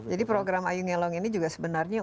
jadi program ayung yelong ini juga sebenarnya